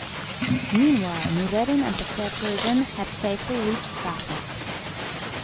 Meanwhile Noureddin and the fair Persian had safely reached Bagdad.